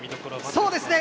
そうですね。